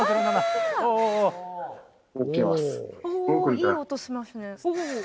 いい音しますね。